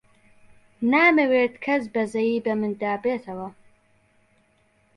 نامەوێت کەس بەزەیی بە مندا بێتەوە.